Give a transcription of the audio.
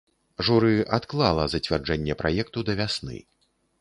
Журы адклала зацвярджэнне праекту да вясны.